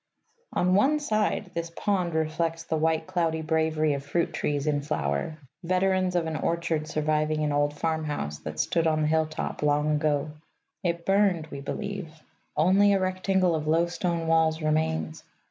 On one side, this pond reflects the white cloudy bravery of fruit trees in flower, veterans of an orchard surviving an old farmhouse that stood on the hilltop long ago. It burned, we believe: only a rectangle of low stone walls remains.